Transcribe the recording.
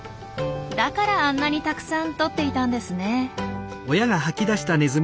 だからあんなにたくさんとっていたんですね。